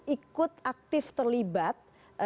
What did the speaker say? ikut aktif terlibat